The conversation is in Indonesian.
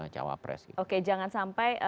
cawapres oke jangan sampai